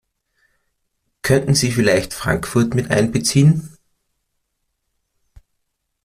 Könnten Sie vielleicht Frankfurt mit einbeziehen?